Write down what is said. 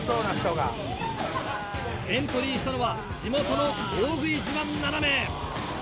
エントリーしたのは地元の大食い自慢７名。